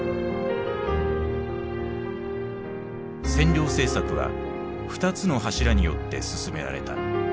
占領政策は２つの柱によって進められた。